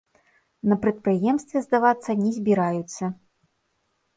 На прадпрыемстве здавацца не збіраюцца.